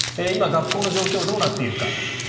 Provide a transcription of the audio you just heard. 今、学校の状況どうなっているか。